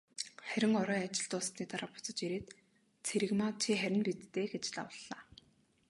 Харин орой ажил дууссаны дараа буцаж ирээд, "Цэрэгмаа чи харина биз дээ" гэж лавлалаа.